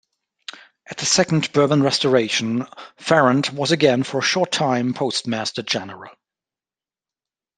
At the second Bourbon restoration Ferrand was again for a short time postmaster general.